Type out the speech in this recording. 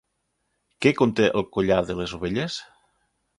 Què conte el collar de les ovelles?